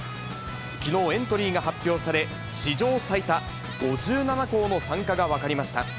きのうエントリーが発表され、史上最多５７校の参加が分かりました。